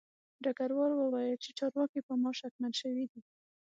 ډګروال وویل چې چارواکي په ما شکمن شوي دي